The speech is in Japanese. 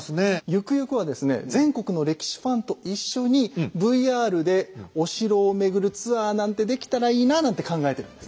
ゆくゆくはですね全国の歴史ファンと一緒にＶＲでお城を巡るツアーなんてできたらいいななんて考えてるんです。